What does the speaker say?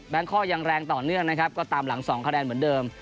ข้อยังแรงต่อเนื่องนะครับก็ตามหลัง๒คะแนนเหมือนเดิม